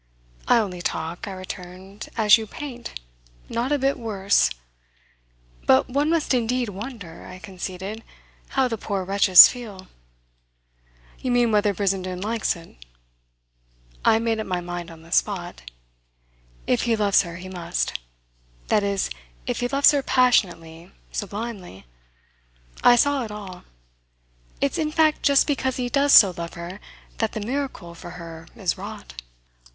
"I only talk," I returned, "as you paint; not a bit worse! But one must indeed wonder," I conceded, "how the poor wretches feel." "You mean whether Brissenden likes it?" I made up my mind on the spot. "If he loves her he must. That is if he loves her passionately, sublimely." I saw it all. "It's in fact just because he does so love her that the miracle, for her, is wrought."